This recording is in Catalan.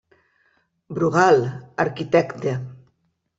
Brugal, arquitecte.